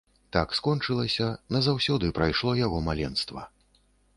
Так скончылася, назаўсёды прайшло яго маленства.